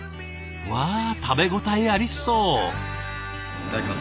わあ食べ応えありそう。